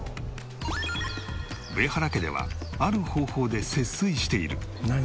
上原家ではある方法で節水している。